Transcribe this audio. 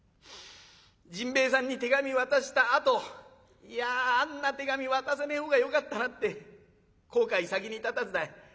甚兵衛さんに手紙渡したあといやあんな手紙渡さねえ方がよかったなって後悔先に立たずだ。